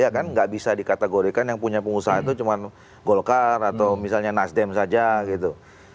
ya kan nggak bisa dikategorikan yang punya pengusaha itu cuma golkar atau misalnya nasdem saja gitu